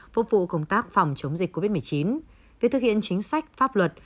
phục vụ công tác phòng chống dịch covid một mươi chín việc thực hiện chính sách pháp luật